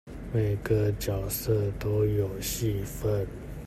每個角色都有戲份